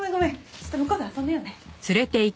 ちょっと向こうで遊んでようね。